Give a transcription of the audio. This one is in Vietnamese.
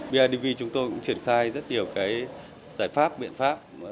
bidv chúng tôi cũng triển khai rất nhiều cái giải pháp biện pháp